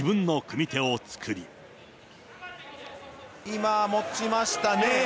今、持ちましたね。